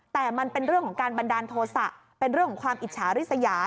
แต่มันเป็นเรื่องของการบันดาลโทษะเป็นเรื่องของความอิจฉาริสยา